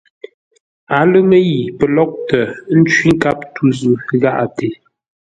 A lə ŋə̂i pəlóghʼtə ə́ ncwí nkâp tû zʉ́ gháʼate.